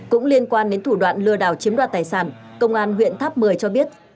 cũng liên quan đến thủ đoạn lừa đảo chiếm đoạt tài sản công an huyện tháp một mươi cho biết